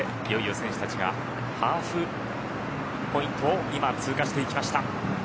いよいよ選手たちがハーフポイントを今、通過していきました。